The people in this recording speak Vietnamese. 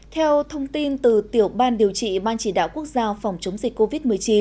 theo thông tin từ tiểu ban điều trị ban chỉ đạo quốc gia phòng chống dịch covid một mươi chín